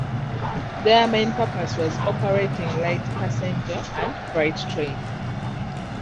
Their main purpose was operating light passenger and freight trains.